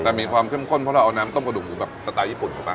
แต่มีความเข้มข้นเพราะเราเอาน้ำต้มกระดูกหมูแบบสไตล์ญี่ปุ่นถูกป่